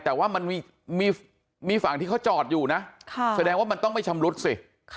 แต่ว่ามันมีฝั่งที่เขาจอดอยู่นะแสดงว่ามันต้องไม่ชำรุดสิ